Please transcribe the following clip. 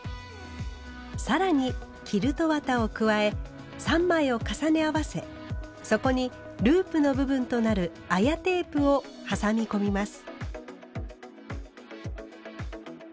更にキルト綿を加え３枚を重ね合わせそこにループの部分となる綾テープを挟み込みます。